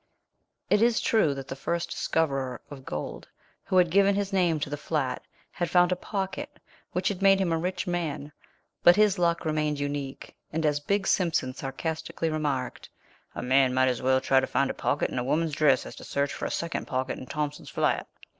It is true that the first discoverer of gold, who had given his name to the Flat, had found a "pocket," which had made him a rich man; but his luck remained unique, and as Big Simpson sarcastically remarked, "A man might as well try to find a pocket in a woman's dress as to search for a second pocket in Thompson's Flat."